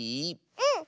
うん！